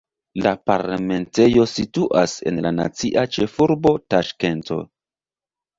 La parlamentejo situas en la nacia ĉefurbo Taŝkento.